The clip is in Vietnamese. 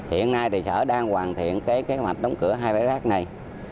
hiện nay thì sở đang hoàn thiện kế hoạch đóng cửa hai bãi rác này